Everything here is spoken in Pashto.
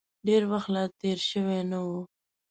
ډېر وخت لا تېر شوی نه و.